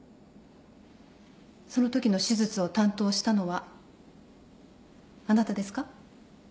そのときの手術を担当したのはあなたですか？